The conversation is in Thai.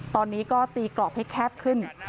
ตอนนี้ก็ตีกรอบให้แคบขึ้น